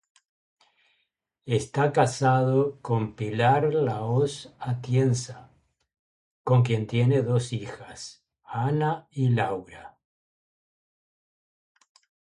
Está casado con Pilar Lahoz Atienza, con quien tiene dos hijas: Anna y Laura.